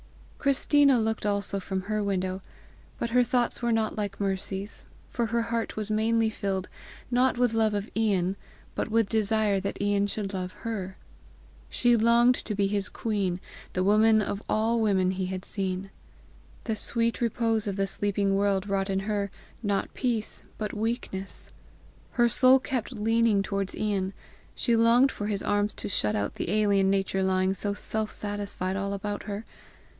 Christina looked also from her window, but her thoughts were not like Mercy's, for her heart was mainly filled, not with love of Ian, but with desire that Ian should love her. She longed to be his queen the woman of all women he had seen. The sweet repose of the sleeping world wrought in her not peace, but weakness. Her soul kept leaning towards Ian; she longed for his arms to start out the alien nature lying so self satisfied all about her.